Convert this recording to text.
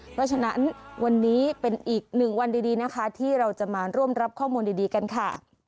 เพราะฉะนั้นวันนี้เป็นอีกหนึ่งวันดีนะคะที่เราจะมาร่วมรับข้อมูลดีกันค่ะ